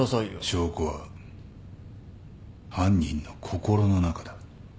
証拠は犯人の心の中だ。